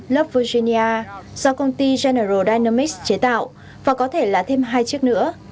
love virginia do công ty general dynamics chế tạo và có thể là thêm hai chiếc nữa